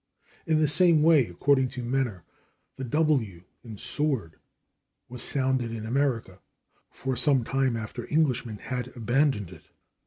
In the same way, according to Menner, the /w/ in /sword/ was sounded in America "for some time after Englishmen had abandoned it."